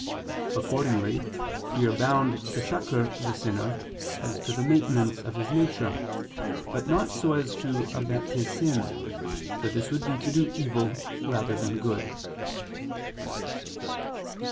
Accordingly we are bound to succor the sinner as to the maintenance of his nature, but not so as to abet his sin, for this would be to do evil rather than good.